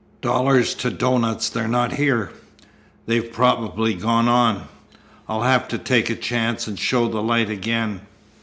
"Dollars to doughnuts they're not here. They've probably gone on. I'll have to take a chance and show the light again."